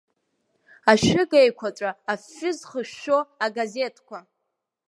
Ашәыга еиқәаҵәа афҩы зхышәшәо агазеҭқәа…